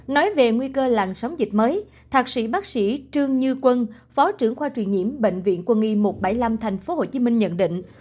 nói về nguy cơ làn sóng dịch mới thạc sĩ bác sĩ trương như quân phó trưởng khoa truyền nhiễm bệnh viện quân y một trăm bảy mươi năm tp hcm nhận định